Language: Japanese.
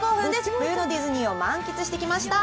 冬のディズニーを満喫してきました。